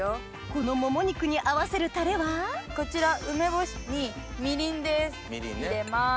このもも肉に合わせるタレはこちら梅干しにみりんです入れます。